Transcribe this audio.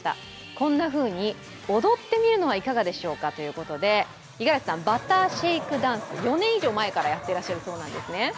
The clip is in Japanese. こんなふうに踊ってみるのはいかがでしょうかということで五十嵐さん、バターシェイクダンス４年以上前からやってらっしゃるそうです。